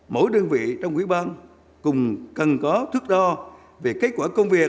mỗi đơn vị trong quỹ ban cùng cần có thước đo về kết quả công việc